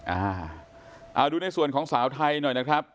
อ่าเอาดูในส่วนของสาวไทยหน่อยนะครับ